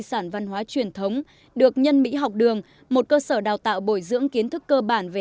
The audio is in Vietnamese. các bạn hãy đăng ký kênh để ủng hộ kênh của chúng mình nhé